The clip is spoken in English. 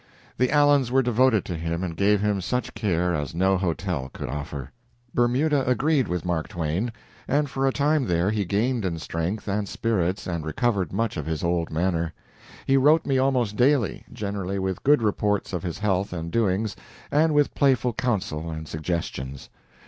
The Allens were devoted to him and gave him such care as no hotel could offer. Bermuda agreed with Mark Twain, and for a time there he gained in strength and spirits and recovered much of his old manner. He wrote me almost daily, generally with good reports of his health and doings, and with playful counsel and suggestions.